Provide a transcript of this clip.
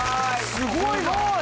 すごい。